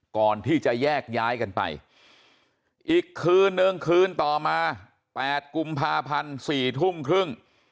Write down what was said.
ก่อนที่จะแยกย้ายกันไปอีกคืนนึงคืนต่อมา๘กุมภาพันธ์๔ทุ่มครึ่ง